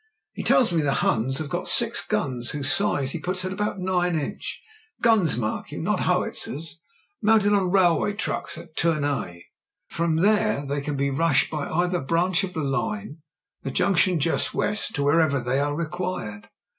"He tells me the Huns have got six guns whose size he puts at about 9 inch; guns, mark you, not howit 128 MEN, WOMEN AND GUNS zers — mounted on railway trucks at Toumai. From there they can be rushed by either branch of the line — the junction is just west — ^to wherever they are re quired."